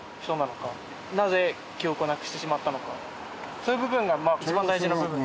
そういう部分が一番大事な。